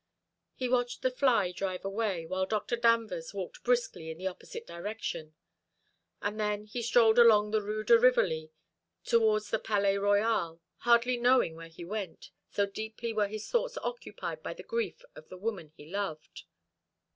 He watched the fly drive away, while Dr. Danvers walked briskly in the opposite direction: and then he strolled along the Rue de Rivoli towards the Palais Royal, hardly knowing where he went, so deeply were his thoughts occupied by the grief of the woman he loved.